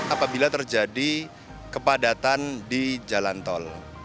apabila terjadi kepadatan di jalan tol